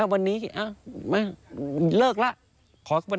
วันนี้เลิกแล้ว